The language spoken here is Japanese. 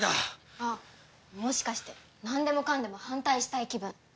あっもしかしてなんでもかんでも反対したい気分ということ？